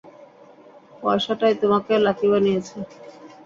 পয়সাটাই তোমাকে লাকি বানিয়েছে।